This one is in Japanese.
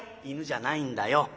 「犬じゃないんだよ」。